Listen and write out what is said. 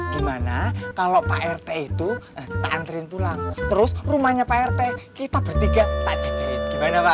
gimana kalau pak rt itu tak anterin pulang terus rumahnya pak rt kita bertiga tak jagain gimana pak